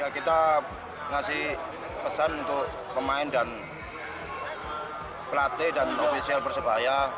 kita ngasih pesan untuk pemain dan pelatih dan ofisial persebaya